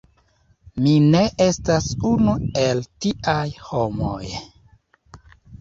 Mi ne estas unu el tiaj homoj.